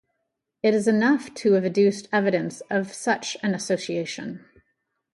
It is enough to have adduced evidence of such an association.